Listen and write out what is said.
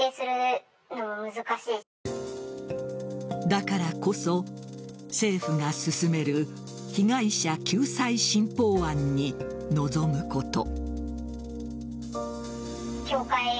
だからこそ、政府が進める被害者救済新法案に望むこと。